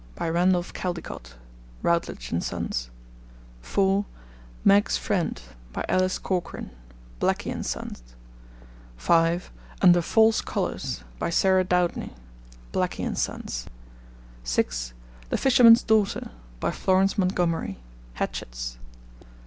By Randolph Caldecott. (Routledge and Sons.) (4) Meg's Friend. By Alice Corkran. (Blackie and Sons.) (5) Under False Colours. By Sarah Doudney. (Blackie and Sons.) (6) The Fisherman's Daughter. By Florence Montgomery. (Hatchards.)